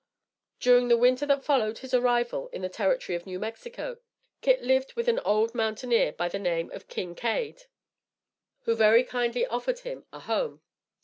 During the winter that followed his arrival in the territory of New Mexico, Kit lived with an old mountaineer by the name of Kin Cade, who very kindly offered him a home.